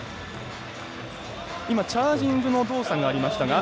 今、チャージングの動作がありましたが。